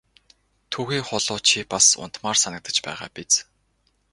Түүхий хулуу чи бас унтмаар санагдаж байгаа биз!